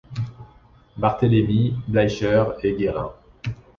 Barthélemy, Bleicher et Guérin.